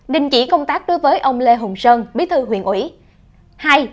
đình chỉ công tác đối với ông lê hùng sơn bí thư huyện ủy